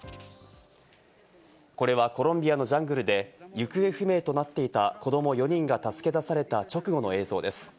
これはコロンビアのジャングルで行方不明となっていた子ども４人が助け出された直後の映像です。